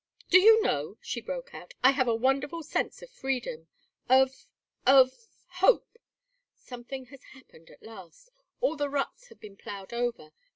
"Do you know," she broke out, "I have a wonderful sense of freedom! of of hope. Something has happened at last. All the ruts have been ploughed over.